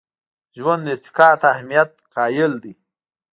ژوند ارتقا ته اهمیت قایل دی.